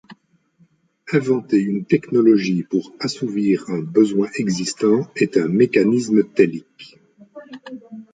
Inventer une technologie pour assouvir un besoin existant est un mécanisme Telic.